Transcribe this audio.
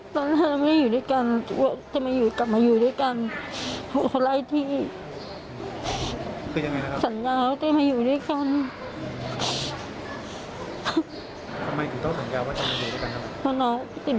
ตอนนั้นเราไม่ได้อยู่ด้วยกันว่าจะมาอยู่กลับมาอยู่ด้วยกันสลายที่